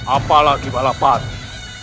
apalagi bala padi